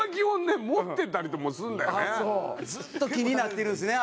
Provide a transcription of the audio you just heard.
ずっと気になってるんですね